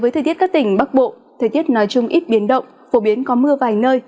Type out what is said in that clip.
với thời tiết các tỉnh bắc bộ thời tiết nói chung ít biến động phổ biến có mưa vài nơi